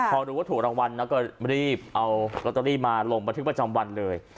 พอรู้ว่าถูกรางวัลนะก็รีบเอาลอตเตอรี่มาลงบันทึกประจำวันเลย